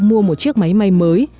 mua một chiếc máy may mới